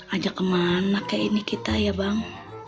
ajak kemana ini kita ya bang